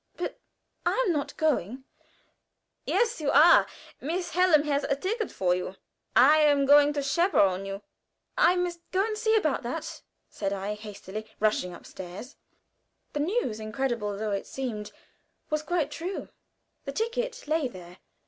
"But I am not going." "Yes, you are. Miss Hallam has a ticket for you. I am going to chaperon you." "I must go and see about that," said I, hastily rushing upstairs. The news, incredible though it seemed, was quite true. The ticket lay there.